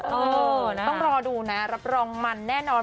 เออนะต้องรอดูนะรับรองมันแน่นอน